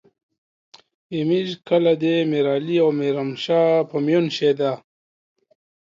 ای ميژ کله دې ميرعلي او میرومشا په میون شې ده